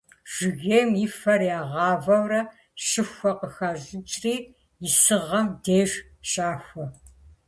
Жыгейм и фэр ягъавэурэ щыхуэ къыхащӏыкӏри исыгъэм деж щахуэ.